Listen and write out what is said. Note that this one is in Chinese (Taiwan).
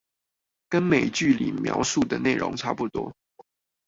跟美劇裡描述的內容差不多